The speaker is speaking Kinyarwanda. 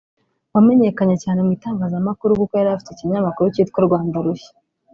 wamenyekanye cyane mu itangazamakuru kuko yari afite ikinyamakuru cyitwa “Rwanda Rushya”